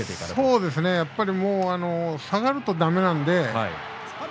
そうですね下がるとだめなんです。